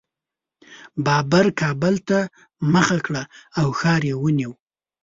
بابر کابل ته مخه کړه او ښار یې ونیو.